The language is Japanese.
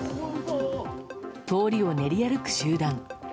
通りを練り歩く集団。